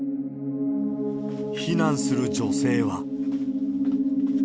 避難する女性は。